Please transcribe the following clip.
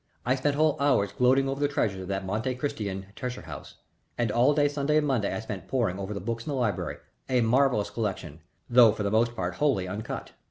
I spent whole hours gloating over the treasures of that Monte Cristan treasure house, and all day Sunday and Monday I spent poring over the books in the library, a marvellous collection, though for the most part wholly uncut.